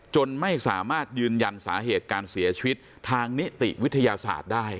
จนไม่สามารถยืนยันสาเหตุการเสียชีวิตทางนิติวิทยาศาสตร์ได้